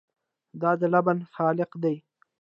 دا د لبنان خلق دي.